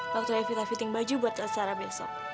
waktu evita fitting baju buat acara besok